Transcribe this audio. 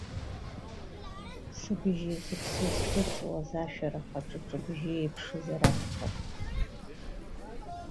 Сыбжьы зыԥсы зхыҵуаз ашәарах аҿыҿбжьы еиԥшзар акәхарын.